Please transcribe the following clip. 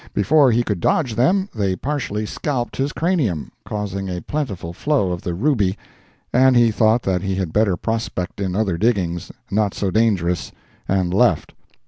Before he could dodge them, they partially scalped his cranium, causing a plentiful flow of the ruby, and he thought that he had better prospect in other diggings, not so dangerous, and left.